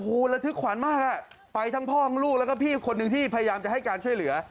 โอ้โหระทึกขวัญมากฮะไปทั้งพ่อทั้งลูกแล้วก็พี่คนหนึ่งที่พยายามจะให้การช่วยเหลือ